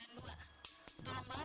sini saya teleponnya